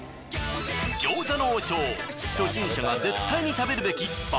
餃子の王将初心者が絶対に食べるべき爆